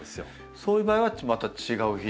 そういう場合はまた違う肥料？